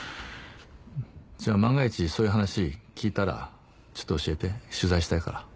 じゃあ万が一そういう話聞いたらちょっと教えて取材したいから。